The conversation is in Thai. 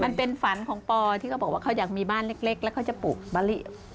มันเป็นฝันของปอที่เขาบอกว่าเขาอยากมีบ้านเล็กแล้วเขาจะปลูกมะลิ